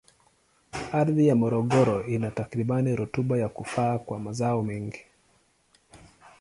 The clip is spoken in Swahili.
Ardhi ya Morogoro ina takribani rutuba ya kufaa kwa mazao mengi.